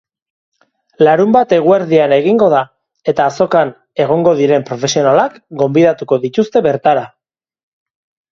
Larunbat eguerdian egingo da eta azokan egongo diren profesionalak gonbidatuko dituzte bertara.